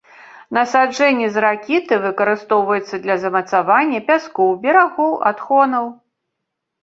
Насаджэнні з ракіты выкарыстоўваюцца для замацавання пяскоў, берагоў, адхонаў.